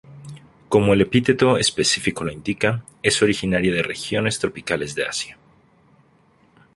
Como el epíteto específico lo indica, es originaria de regiones tropicales de Asia.